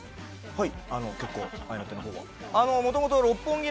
はい。